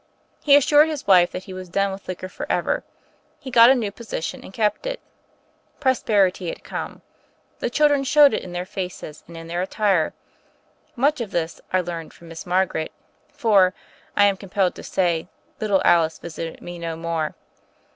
He assured his wife that he was done with liquor forever. He got a new position, and kept it. Prosperity had come; the children showed it in their faces and in their attire. Much of this, I learned from Miss Margaret; for, I am compelled to say, little Alice visited me no more.